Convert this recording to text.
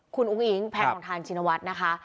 คุณอุ้งอิงแพทองทานชินวัฒน์นะคะ